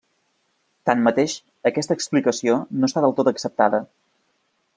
Tanmateix, aquesta explicació no està del tot acceptada.